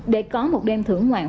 để có một đêm thưởng ngoạn